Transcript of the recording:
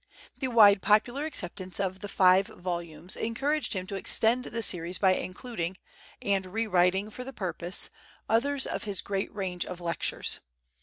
The wide popular acceptance of the five volumes encouraged him to extend the series by including, and rewriting for the purpose, others of his great range of lectures.